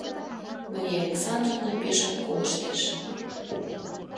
Мария Александровна пешак колыштеш.